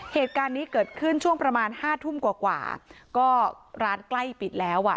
เหตุการณ์นี้เกิดขึ้นช่วงประมาณห้าทุ่มกว่ากว่าก็ร้านใกล้ปิดแล้วอ่ะ